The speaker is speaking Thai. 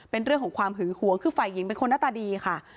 เป็นเรื่องของความหึงหวงคือฝ่ายหญิงเป็นคนหน้าตาดีค่ะ